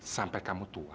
sampai kamu tua